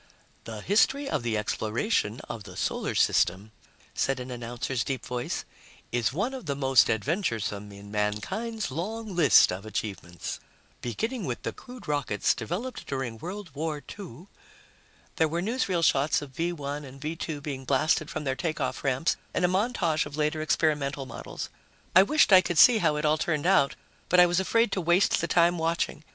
"The history of the exploration of the Solar System," said an announcer's deep voice, "is one of the most adventuresome in mankind's long list of achievements. Beginning with the crude rockets developed during World War II...." There were newsreel shots of V 1 and V 2 being blasted from their takeoff ramps and a montage of later experimental models. I wished I could see how it all turned out, but I was afraid to waste the time watching.